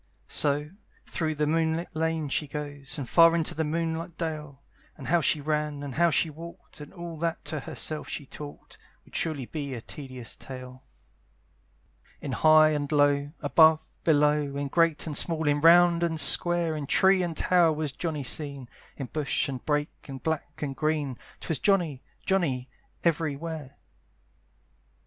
So, through the moonlight lane she goes, And far into the moonlight dale; And how she ran, and how she walked, And all that to herself she talked, Would surely be a tedious tale. In high and low, above, below, In great and small, in round and square, In tree and tower was Johnny seen, In bush and brake, in black and green, 'Twas Johnny, Johnny, every where.